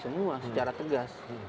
semua secara tegas